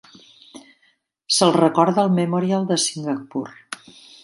Se'l recorda al Memorial de Singapur.